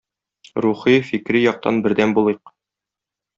Рухи, фикри яктан бердәм булыйк.